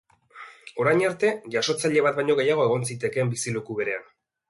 Orain arte, jasotzaile bat baino gehiago egon zitekeen bizileku berean.